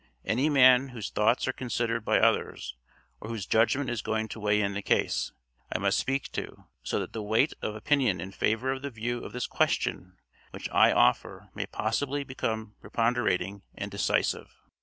Any man whose thoughts are considered by others, or whose judgment is going to weigh in the case, I must speak to, so that the weight of opinion in favor of the view of this question which I offer may possibly become preponderating and decisive."